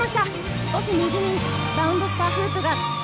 少し右にバウンドしたフープ。